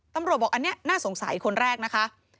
บอกอันนี้น่าสงสัยคนแรกนะคะ